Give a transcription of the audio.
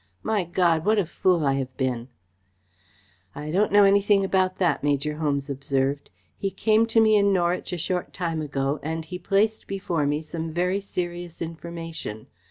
My God, what a fool I have been!" "I don't know anything about that," Major Holmes observed. "He came to me in Norwich a short time ago and he placed before me some very serious information.